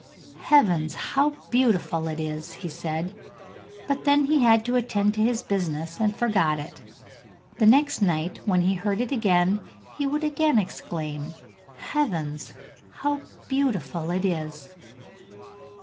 'Heavens, how beautiful it is!' he said, but then he had to attend to his business and forgot it. The next night when he heard it again he would again exclaim, 'Heavens, how beautiful it is!'